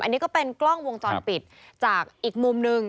อันนี้ก็เป็นกล้องวงจรปิดจากอีกมุมหนึ่ง